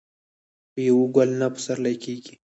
په يوه ګل نه پسرلی کېږي.